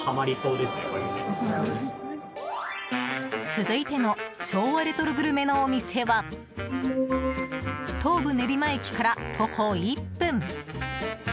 続いての昭和レトログルメのお店は東武練馬駅から徒歩１分